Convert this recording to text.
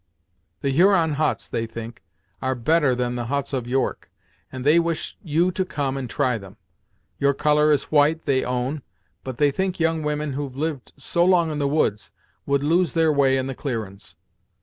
The Huron huts, they think, are better than the huts of York, and they wish you to come and try them. Your colour is white, they own, but they think young women who've lived so long in the woods would lose their way in the clearin's.